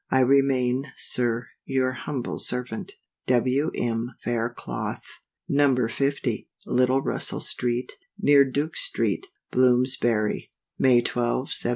I remain, SIR, your humble servant, WM. FAIRCLOTH. No. 50, Little Russell street, near Duke street, Bloomsbury, May 12, 1794.